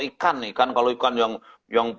ikan kalau ikan yang